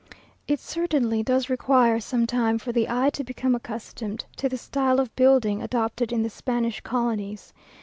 It certainly does require some time for the eye to become accustomed to the style of building adopted in the Spanish colonies.